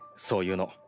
そういうの。